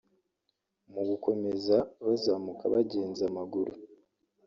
Mu gukomeza bazamuka bagenza amaguru